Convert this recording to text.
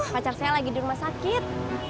pacar saya lagi di rumah sakit